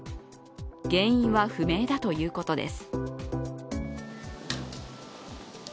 原因は不明だということです。